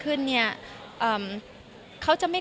คุณแม่มะม่ากับมะมี่